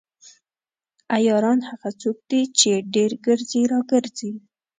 عیاران هغه څوک دي چې ډیر ګرځي راګرځي.